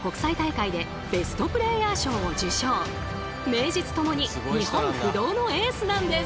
これまで名実ともに日本不動のエースなんです。